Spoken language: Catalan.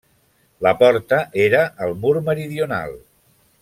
La porta era al mur meridional.